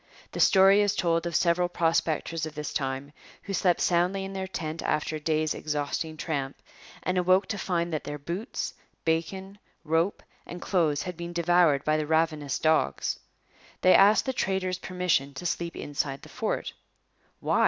The story is told of several prospectors of this time, who slept soundly in their tent after a day's exhausting tramp, and awoke to find that their boots, bacon, rope, and clothes had been devoured by the ravenous dogs. They asked the trader's permission to sleep inside the fort. 'Why?'